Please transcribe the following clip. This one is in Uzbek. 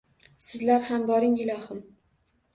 Sizlar ham boring ilohim.